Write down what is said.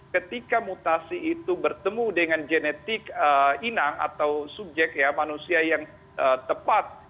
ketika mutasi itu bertemu dengan genetik inang atau subjek ya manusia yang tepat